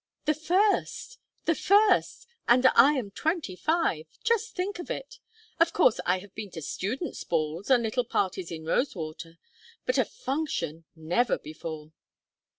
"The first! The first! And I am twenty five! Just think of it! Of course I have been to students' balls, and little parties in Rosewater. But a function never before."